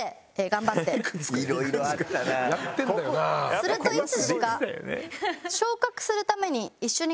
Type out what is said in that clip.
するといつしか。